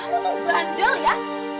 kalo tuh bandel ya